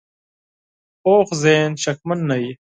پوخ ذهن شکمن نه وي